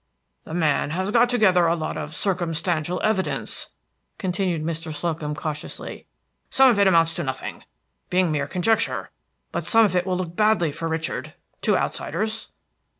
"The man has got together a lot of circumstantial evidence," continued Mr. Slocum cautiously; "some of it amounts to nothing, being mere conjecture; but some of it will look badly for Richard, to outsiders."